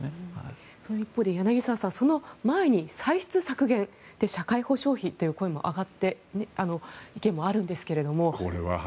その一方で柳澤さんその前に歳出削減社会保障費という意見もあるんですが。